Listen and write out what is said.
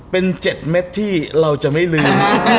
เป็น๗เม็ดที่เราจะไม่ลืม